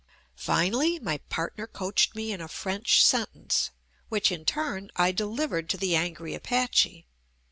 Finally, my partner coached me in a French sentence, JUST ME which in turn I delivered to the angry Apache.